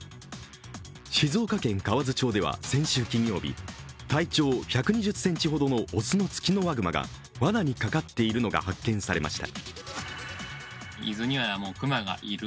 静岡県河津町では先週金曜日、体長１２０ｃｍほどの雄のツキノワグマがわなにかかっているのが発見されました。